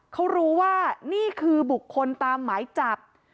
เขารู้ว่านี่คือบุคคลตามหมายจับ